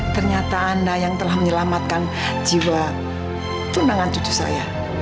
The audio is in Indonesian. ternyata anda yang telah menyelamatkan jiwa tunangan cucu saya